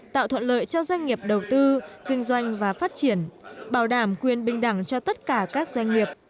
tạo thuận lợi cho doanh nghiệp đầu tư kinh doanh và phát triển bảo đảm quyền bình đẳng cho tất cả các doanh nghiệp